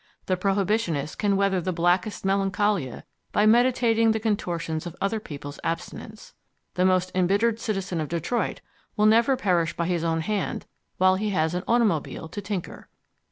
The prohibitionist can weather the blackest melancholia by meditating the contortions of other people's abstinence. The most embittered citizen of Detroit will never perish by his own hand while he has an automobile to tinker.